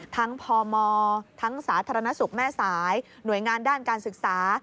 พมทั้งสาธารณสุขแม่สายหน่วยงานด้านการศึกษา